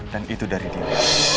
dan itu dari dinda